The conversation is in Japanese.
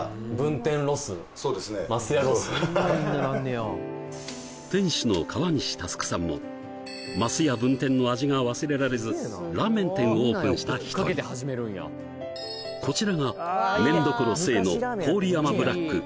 はい店主の川西翼さんもますや分店の味が忘れられずラーメン店をオープンした一人こちらがめん処成の郡山ブラック